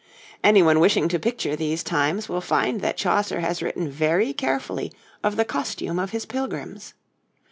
Anyone wishing to picture these times will find that Chaucer has written very carefully of the costume of his Pilgrims.